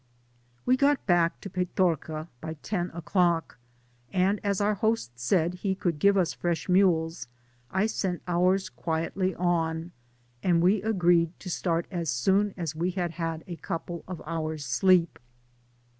We got back to Petorca by ten o'^clock, and as our host said he could give us fresh mules, I sent ours quietly on, and we agreed to start as soon as we had had a couple of hours' sleep.